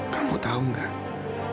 kamu tau gak